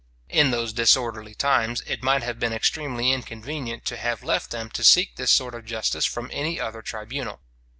In those disorderly times, it might have been extremely inconvenient to have left them to seek this sort of justice from any other tribunal.